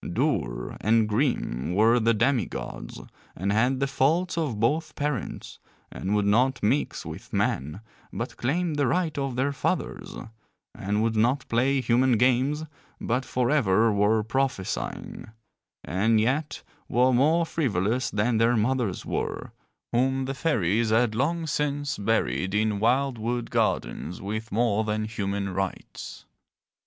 Dour and grim were the demi gods and had the faults of both parents, and would not mix with men but claimed the right of their fathers, and would not play human games but forever were prophesying, and yet were more frivolous than their mothers were, whom the fairies had long since buried in wild wood gardens with more than human rites.